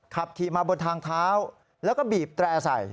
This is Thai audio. ขับขี่มาบนทางเท้าแล้วก็บีบแตร่ใส่